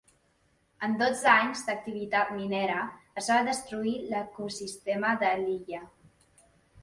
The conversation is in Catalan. En dotze anys d'activitat minera es va destruir l'ecosistema de l'illa.